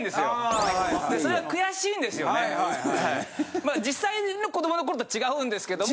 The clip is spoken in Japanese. まあ実際の子どもの頃と違うんですけども。